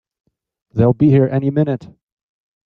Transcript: They'll be here any minute!